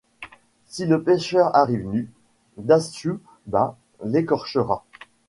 Si le pécheur arrive nu, Datsue-ba l'écorchera.